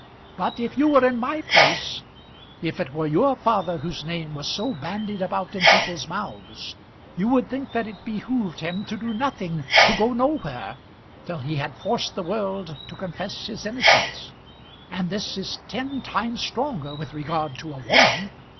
"But if you were in my place, if it were your father whose name was so bandied about in people's mouths, you would think that it behoved him to do nothing, to go nowhere, till he had forced the world to confess his innocence. And this is ten times stronger with regard to a woman.